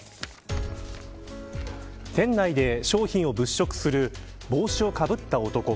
店内で商品を物色する帽子をかぶった男。